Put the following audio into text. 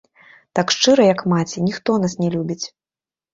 Так шчыра, як маці, ніхто нас не любіць.